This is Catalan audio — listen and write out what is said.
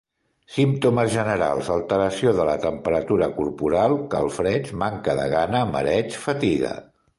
Símptomes generals: alteració de la temperatura corporal, calfreds, manca de gana, mareig, fatiga.